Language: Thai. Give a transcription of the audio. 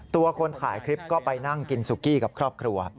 คนถ่ายคลิปก็ไปนั่งกินสุกี้กับครอบครัว